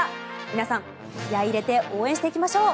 皆さん、気合入れて応援していきましょう。